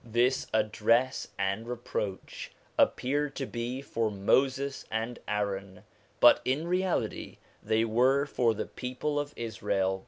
This address and reproach appeared to be for Moses and Aaron, but in reality they were for the people of Israel.